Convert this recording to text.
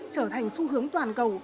trở thành xu hướng toàn cầu